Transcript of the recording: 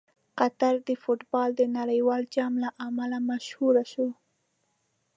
قطر د فټبال د نړیوال جام له امله مشهور شو.